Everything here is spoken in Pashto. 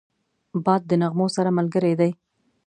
باد د نغمو سره ملګری دی